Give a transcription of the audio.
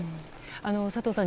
佐藤さん